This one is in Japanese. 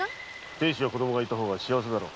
亭主や子供がいた方が幸せだろう？